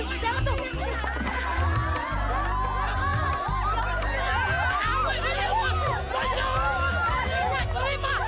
pokoknya bang itron selalu buat yang baik baik